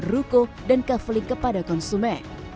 ruko dan kaveling kepada konsumen